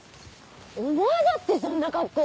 お前だってそんな格好！